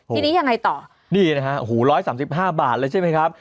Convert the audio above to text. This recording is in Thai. ทีนี้ยังไงต่อนี่นะฮะหู๑๓๕บาทเลยใช่ไหมครับ